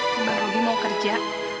bang robby mau kerja